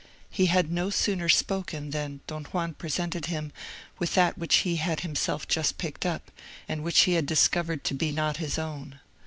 He had no sooner spoken than Don Juan presented him with that which he had himself just picked up, and which he had discovered to be not his own.